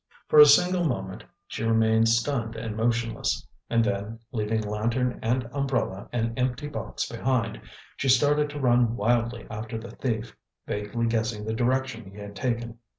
For a single moment she remained stunned and motionless, and then, leaving lantern and umbrella and empty box behind, she started to run wildly after the thief, vaguely guessing the direction he had taken.